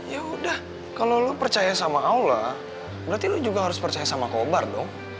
ya udah kalau lo percaya sama allah berarti lo juga harus percaya sama kobar dong